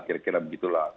kira kira begitu lah